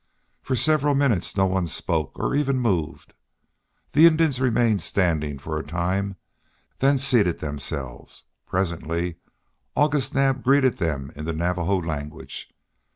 For several minutes no one spoke or even moved. The Indians remained standing for a time; then seated themselves. Presently August Naab greeted them in the Navajo language.